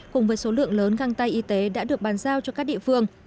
cùng với số lượng lớn găng tay y tế đã được bàn giao cho các địa phương